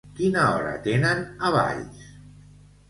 Quina hora tenen a Valls?